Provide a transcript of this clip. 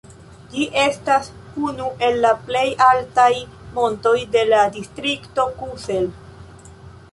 Ĝi estas unu el la plej altaj montoj de la distrikto Kusel.